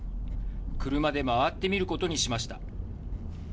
車で回ってみることにしました。